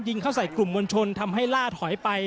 เข้าใส่กลุ่มมวลชนทำให้ล่าถอยไป